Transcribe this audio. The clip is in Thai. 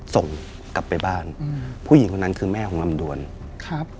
ส่งกลับไปบ้านอืมผู้หญิงคนนั้นคือแม่ของลำดวนครับ